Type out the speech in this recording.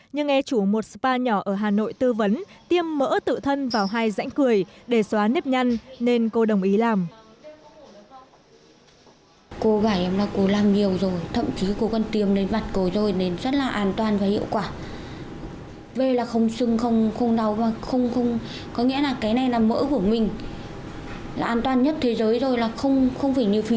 nhưng nghe chủ một spa nhỏ ở hà nội tư vấn tiêm mỡ tự thân vào hai rãnh cười để xóa nếp nhăn nên cô đồng ý làm